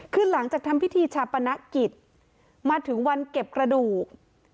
คือหลังจากทำพิธีชาปนกิจมาถึงวันเก็บกระดูก